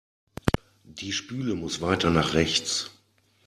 Die Spüle muss weiter nach rechts.